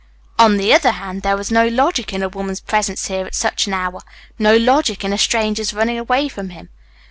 On the other hand, there was no logic in a woman's presence here at such an hour, no logic in a stranger's running away from him.